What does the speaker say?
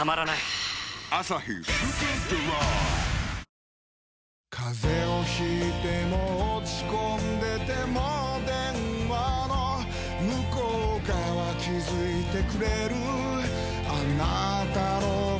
ここまで、風邪を引いても落ち込んでても電話の向こう側気付いてくれるあなたの声